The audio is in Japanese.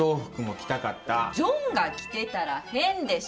ジョンが着てたら変でしょ。